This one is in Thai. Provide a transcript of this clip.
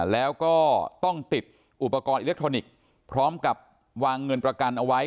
แล้วก็ต้องติดอุปกรณ์อิเล็กทรอนิกส์พร้อมกับวางเงินประกันเอาไว้